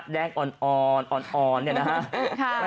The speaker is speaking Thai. แดงอ่อนอ่อนเนี่ยนะฮะ